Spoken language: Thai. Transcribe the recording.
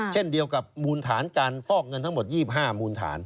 เช่นเดียวกับมูลฐานการฟอกเงินทั้งหมด๒๕มูลฐาน